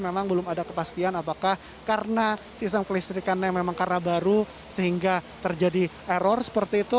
memang belum ada kepastian apakah karena sistem kelistrikannya memang karena baru sehingga terjadi error seperti itu